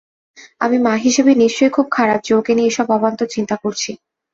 আমি মা হিসেবে নিশ্চয়ই খুব খারাপ যে ওকে নিয়ে এসব অবান্তর চিন্তা করছি!